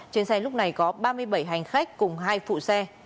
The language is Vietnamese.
trên xe lúc này có ba mươi bảy hành khách cùng hai phụ xe